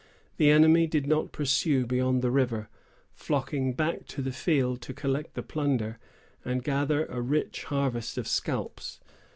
The enemy did not pursue beyond the river, flocking back to the field to collect the plunder, and gather a rich harvest of scalps.